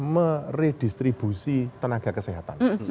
meredistribusi tenaga kesehatan